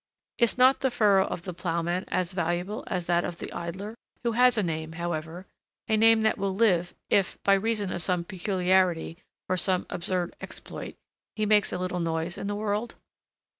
Is not the furrow of the ploughman as valuable as that of the idler, who has a name, however, a name that will live, if, by reason of some peculiarity or some absurd exploit, he makes a little noise in the world?